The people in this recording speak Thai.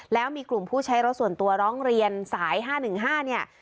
แล้วมีกลุ่มผู้ใช้รถส่วนตัวร้องเรียนสาย๕๑๕เนี่ย